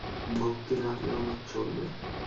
ভক্তি না হলেও আমার চলবে।